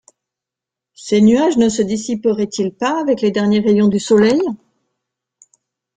Ces nuages ne se dissiperaient-ils pas avec les derniers rayons du soleil!...